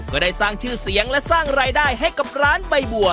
ก็ได้สร้างชื่อเสียงและสร้างรายได้ให้กับร้านใบบัว